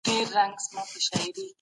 موږ به د خپل زيار مېوه ووينو.